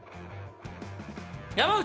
山内！